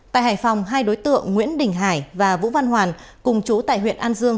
tại hải phòng hai đối tượng nguyễn đình hải và vũ văn hoàn cùng chú tại huyện an dương